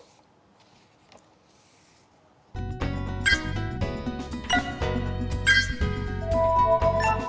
hãy đăng ký kênh để ủng hộ kênh của mình nhé